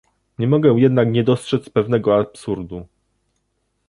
Nie mogę jednak nie dostrzec pewnego absurdu